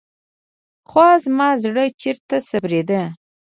خو زما زړه چېرته صبرېده.